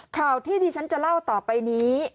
ข่าวที่ที่ฉันจะเล่าต่อไปนี้